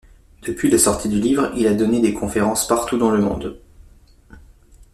Depuis la sortie du livre, il a donné des conférences partout dans le monde.